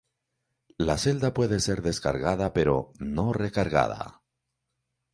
La celda puede ser descargada pero no recargada.